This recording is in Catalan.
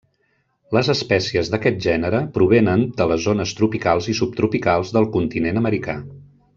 Les espècies d'aquest gènere provenen de les zones tropicals i subtropicals del continent americà.